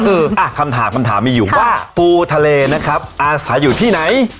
เอออ่ะคำถามคำถามมีอยู่ว่าปูทะเลนะครับอาศัยอยู่ที่ไหน